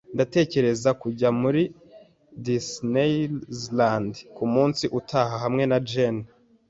Ndatekereza kujya muri Disneyland kumunsi utaha hamwe na Jane.